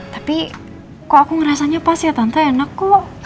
tapi kok aku ngerasanya pas ya tante enak kok